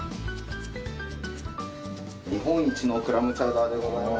日本一のクラムチャウダーでございます。